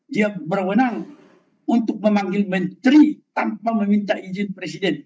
dia berwenang untuk memanggil menteri tanpa meminta izin presiden